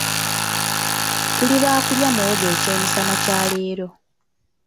Tuli baakulya muwogo ekyemisana kya leero.